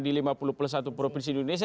di lima puluh plus satu provinsi di indonesia